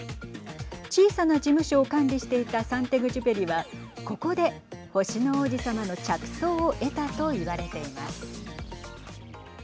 小さな事務所を管理していたサンテグジュペリはここで星の王子さまの着想を得たと言われています。